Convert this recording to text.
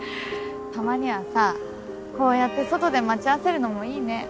たまにはさこうやって外で待ち合わせるのもいいね。